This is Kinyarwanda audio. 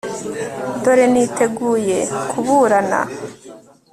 dore niteguye kuburana